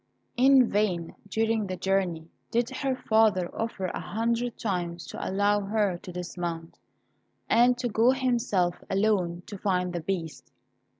In vain, during the journey, did her father offer a hundred times to allow her to dismount, and to go himself alone to find the Beast.